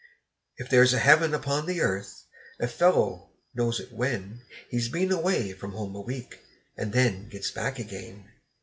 If there's a heaven upon the earth, a fellow knows it when He's been away from home a week, and then gets back again.